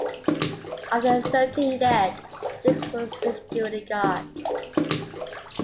Of the thirteen dead, six were security guards.